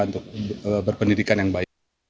untuk berpendidikan yang baik